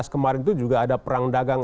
kemarin itu juga ada perang dagang